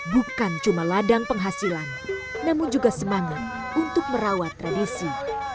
bukan cuma ladang penghasilan namun juga semangat untuk merawat tradisi